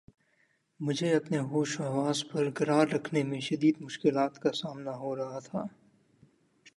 مجھے اپنے ہوش و حواس بر قرار رکھنے میں شدید مشکلات کا سامنا ہو رہا تھا